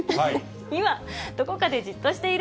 ２はどこかでじっとしている。